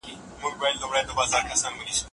هورمونونه د ریسپټرونو سره نښلي.